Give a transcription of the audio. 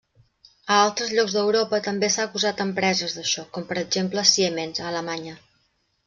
A altres llocs d'Europa també s'ha acusat empreses d'això, com per exemple Siemens, a Alemanya.